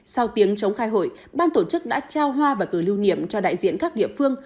sau tiếng chống khai hội ban tổ chức đã trao hoa và cờ lưu niệm cho đại diện các địa phương